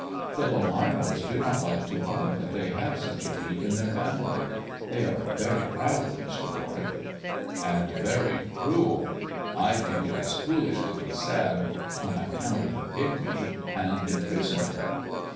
" The Lelanros do not like to own that they have such a freak in their family. They are very proud, Mr. Warwick." " And very cruel ! I think it is foolish to be sad on account of the pigmy, and to imprison her."